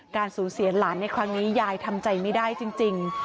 สูญเสียหลานในครั้งนี้ยายทำใจไม่ได้จริง